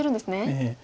ええ。